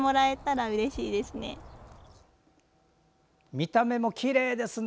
見た目もきれいですね。